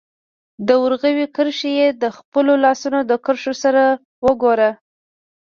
د ورغوي کرښي مي د خپلو لاسونو د کرښو سره وګوره